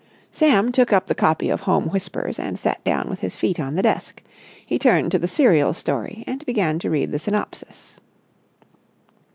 Sam took up the copy of Home Whispers and sat down with his feet on the desk. He turned to the serial story and began to read the synopsis.